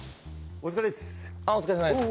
お疲れさまです。